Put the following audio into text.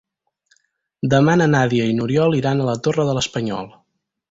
Demà na Nàdia i n'Oriol iran a la Torre de l'Espanyol.